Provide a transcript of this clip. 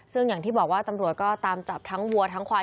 ซึ่งอย่างที่บอกว่าตำรวจก็ตามจับทั้งวัวทั้งควาย